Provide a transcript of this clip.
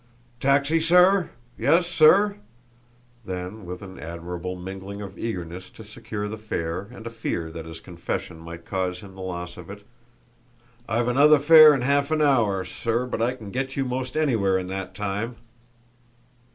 "Taxi, sir? Yes, sir?" Then, with an admirable mingling of eagerness to secure the fare and a fear that his confession might cause him the loss of it: "I've another fare in half an hour, sir, but I can get you most anywhere in that time."